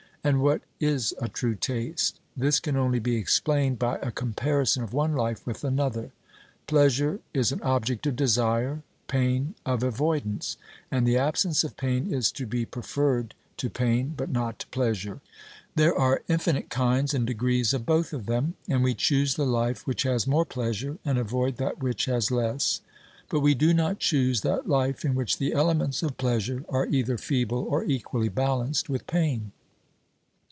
And what is a true taste? This can only be explained by a comparison of one life with another. Pleasure is an object of desire, pain of avoidance; and the absence of pain is to be preferred to pain, but not to pleasure. There are infinite kinds and degrees of both of them, and we choose the life which has more pleasure and avoid that which has less; but we do not choose that life in which the elements of pleasure are either feeble or equally balanced with pain.